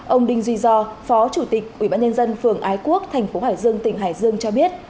ông đinh duy gio phó chủ tịch ủy ban nhân dân phường ái quốc thành phố hải dương tỉnh hải dương cho biết